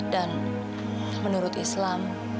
dan menurut islam